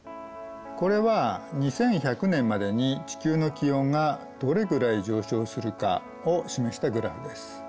これは２１００年までに地球の気温がどれぐらい上昇するかを示したグラフです。